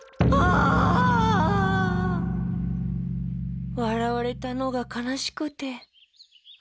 あ！わらわれたのがかなしくて。